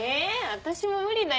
私も無理だよ。